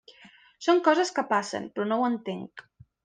Són coses que passen, però no ho entenc.